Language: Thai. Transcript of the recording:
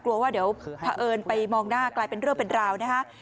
กลัวว่าเดี๋ยวเผอิญไปมองหน้ากลายเป็นเรื่องเป็นราวนะฮะ